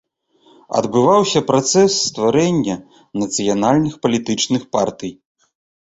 Адбываўся працэс стварэння нацыянальных палітычных партый.